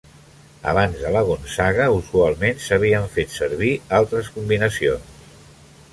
Abans de la Gonzaga, usualment, s'havien fet servir altres combinacions.